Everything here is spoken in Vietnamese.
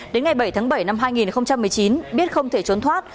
đến ngày bảy tháng bảy năm hai nghìn một mươi chín biết không thể trốn thoát